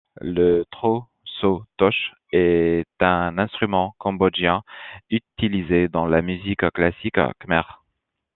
Le tro sau toch est un instrument cambodgien, utilisé dans la musique classique khmère.